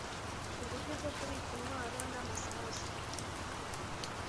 Uburyo bwo kubika intwaro n’ amasasu